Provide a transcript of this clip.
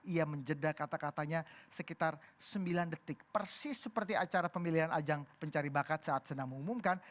ia menjeda kata katanya sekitar sembilan detik persis seperti acara pemilihan ajang pencari bakat saat senang mengumumkan